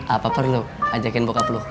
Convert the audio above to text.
apa perlu ajakin bokap lu